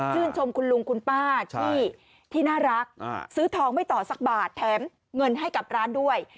ชมคุณลุงคุณป้าที่น่ารักซื้อทองไม่ต่อสักบาทแถมเงินให้กับร้านด้วย